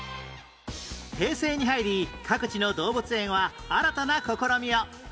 平成に入り各地の動物園は新たな試みを